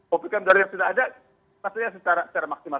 ppkm darurat yang sudah ada maksudnya secara maksimal